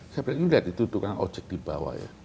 saya bilang ini lihat itu itu kan ojek di bawah ya